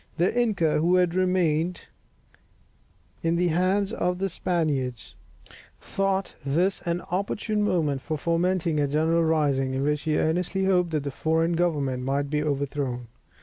The inca, who had remained in the hands of the Spaniards, thought this an opportune moment for fomenting a general rising, in which he earnestly hoped that the foreign government might be overthrown.